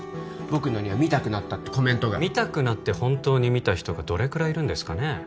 僕のには見たくなったってコメントが見たくなって本当に見た人がどれくらいいるんですかね？